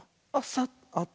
あっ。